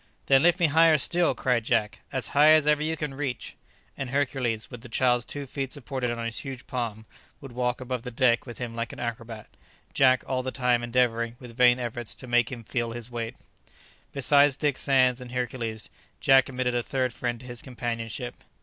"Then lift me higher still," cried Jack; "as high as ever you can reach." And Hercules, with the child's two feet supported on his huge palm, would walk about the deck with him like an acrobat, Jack all the time endeavouring, with vain efforts, to make him "feel his weight." Besides Dick Sands and Hercules, Jack admitted a third friend to his companionship.